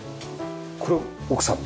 これは奥さんの？